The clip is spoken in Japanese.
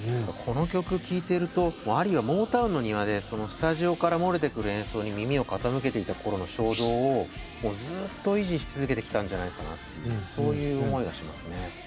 この曲聴いてるとアリーはモータウンの庭でスタジオから漏れてくる演奏に耳を傾けていた頃の衝動をもうずっと維持し続けてきたんじゃないかなというそういう思いがしますね。